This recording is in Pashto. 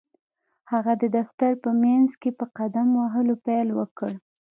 هغه د دفتر په منځ کې په قدم وهلو پيل وکړ.